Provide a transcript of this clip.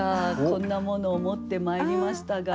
こんなものを持ってまいりましたが。